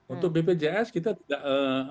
untuk bpjs kita tidak